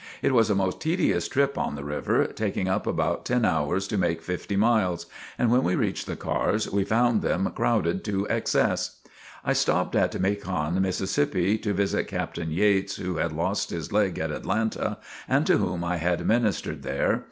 It was a most tedious trip on the river, taking up about ten hours to make fifty miles. And when we reached the cars we found them crowded to excess. I stopped at Macon, Mississippi, to visit Captain Yates who had lost his leg at Atlanta and to whom I had ministered there.